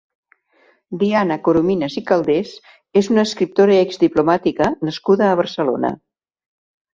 Diana Coromines i Calders és una escriptora i exdiplomàtica nascuda a Barcelona.